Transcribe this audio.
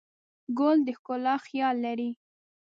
ګل د ښکلا خیال لري.